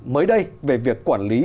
mới đây về việc quản lý